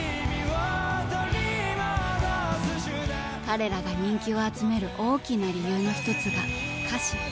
彼らが人気を集める大きな理由の一つが歌詞。